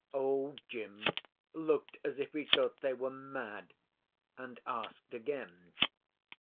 Old Jim looked as if he thought they were mad, and asked again.